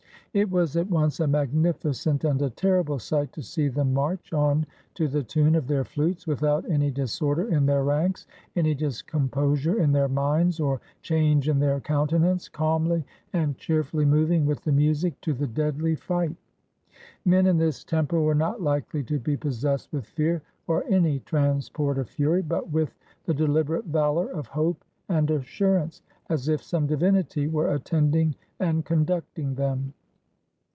It was at once a magnificent and a terrible sight to see them march on to the tune of their flutes, without any dis order in their ranks, any discomposure in their minds or change in thier countenance, calmly and cheerfully moving with the music to the deadly fight. Men, in this temper, were not likely to be possessed with fear or any transport of fury, but with the deliberate valor of hope and assurance, as if some divinity were attending and conducting them.